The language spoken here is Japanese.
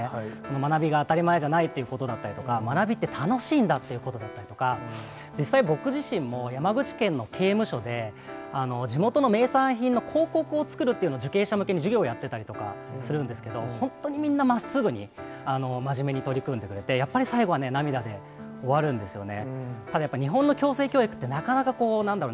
学びが当たり前じゃないということだったりとか、学びって楽しいんだということだったりとか、実際僕自身も山口県の刑務所で、地元の名産品の広告を作るというのを受刑者向けに授業をやってたりとかするんですけど、本当にみんな、まっすぐに真面目に取り組んでくれて、やっぱり最後はね、涙で終わるんですよね。